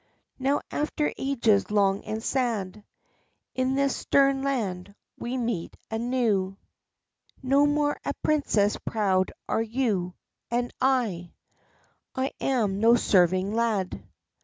Now after ages long and sad, in this stern land we meet anew; No more a princess proud are you, and I I am no serving lad.